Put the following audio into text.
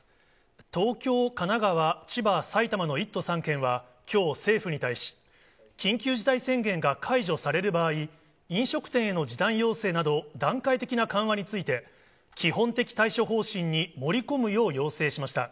東京、神奈川、千葉、埼玉の１都３県はきょう、政府に対し、緊急事態宣言が解除される場合、飲食店への時短要請など、段階的な緩和について、基本的対処方針に盛り込むよう要請しました。